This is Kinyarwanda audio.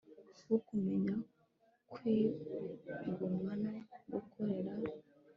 wo kumenya kwigomwa no gukorera